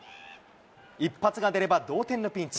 一発が出れば同点のピンチ。